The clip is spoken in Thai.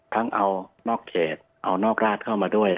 ทั้งเอานอกเขตเอานอกราชเข้ามาด้วย